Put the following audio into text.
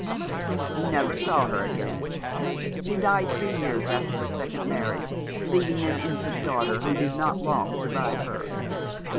He never saw her again. She died three years after her second marriage, leaving an infant daughter who did not long survive her.